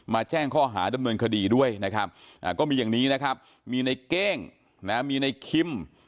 แจ้งข้อหาดำเนินคดีด้วยนะครับก็มีอย่างนี้นะครับมีในเก้งนะมีในคิม